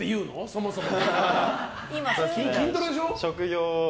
そもそも。